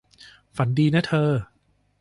ฝันดีนะเธอ